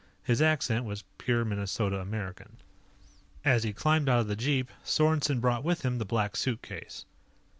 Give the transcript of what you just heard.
His accent was pure Minnesota American. As he climbed out of the jeep, Sorensen brought with him the Black Suitcase.